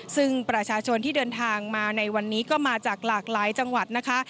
ซึ่งประชาชนที่เดินทางมาในวันนี้ก็มาจากหลากหลายจังหวัดนะคะ